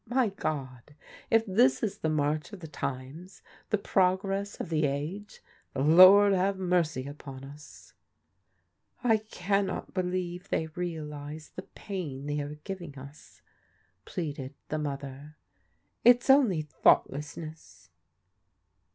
My God ! If this is the march of the times, — the progress of the age — the Lord have mercy upon us !"" I cannot believe they realize the pain they are giving us," pleaded the mother. " It's only thoughtlessness."